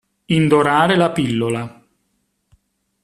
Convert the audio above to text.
Indorare la pillola.